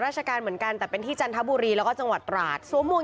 ราชการเหมือนกันแต่เป็นที่จันทบุรีแล้วก็จังหวัดตราดสวมหมวก